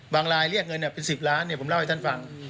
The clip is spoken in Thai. บางลายเรียกเงินเนี่ยเป็นสิบล้านเนี่ยผมเล่าให้ท่านฟัง